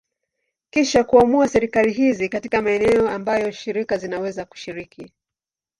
Kisha kuamua serikali hizi katika maeneo ambayo shirika zinaweza kushiriki.